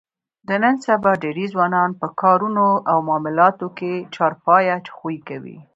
د نن سبا ډېری ځوانان په کارونو او معاملاتو کې چارپایه خوی کوي.